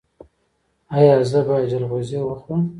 ایا زه باید جلغوزي وخورم؟